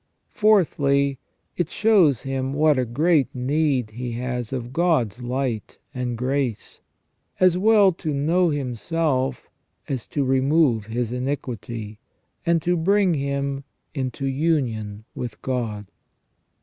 Fourthly, it shows him what a great need he has of God's light and grace, as well to know himself as to remove his iniquity, and to bring him into union with God.